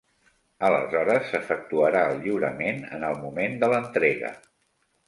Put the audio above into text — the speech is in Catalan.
Aleshores s'efectuarà el lliurament en el moment de l'entrega.